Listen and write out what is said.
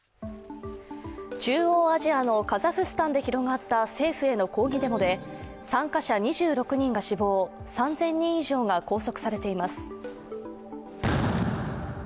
中央アジアのカザフスタンで広がった政府への抗議デモで参加者２６人が死亡、３０００人以上が拘束されています。